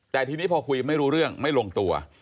แต่ทีนี้พอคุยไม่รู้เรื่องไม่ลงตัว